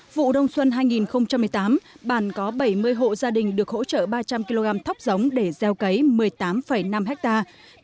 vụ đông xuân hai nghìn một mươi tám bản có bảy mươi hộ gia đình được hỗ trợ ba trăm linh kg thóc giống để gieo cấy một mươi tám năm hectare